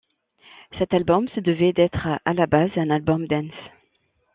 Cet album se devait d'être, à la base, un album dance.